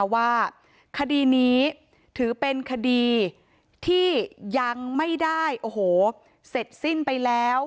ว่าคดีนี้ถือเป็นคดีที่ยังไม่ได้โอ้โหเสร็จสิ้นไปแล้ว